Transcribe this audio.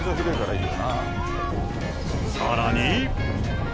さらに。